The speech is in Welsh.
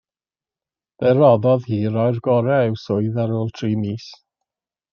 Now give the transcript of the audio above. Fe roddodd hi roi'r gorau i'w swydd ar ôl tri mis.